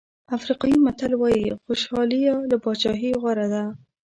افریقایي متل وایي خوشالي له بادشاهۍ غوره ده.